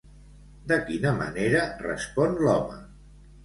De quina manera respon l'home?